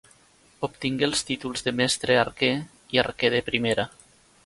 Obtingué els títols de mestre arquer i arquer de primera.